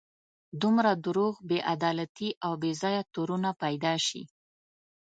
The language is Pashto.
دومره دروغ، بې عدالتي او بې ځایه تورونه پیدا شي.